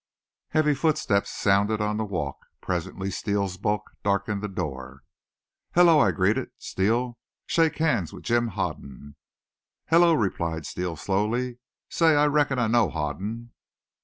Heavy footsteps sounded on the walk. Presently Steele's bulk darkened the door. "Hello," I greeted. "Steele, shake hands with Jim Hoden." "Hello," replied Steele slowly. "Say, I reckon I know Hoden."